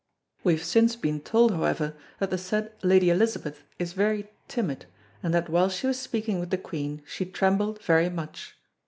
We have since been told, however, that the said Lady Elizabeth is very timid, and that while she was speaking with the Queen she trembled very much."